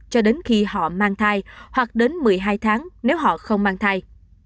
cho đến khi họ mang thai hoặc đến một mươi hai tháng nếu họ không mang thai